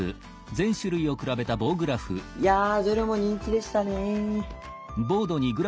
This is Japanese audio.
いやどれも人気でしたね。